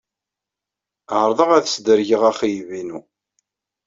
Ɛerḍeɣ ad sdergeɣ axeyyeb-inu.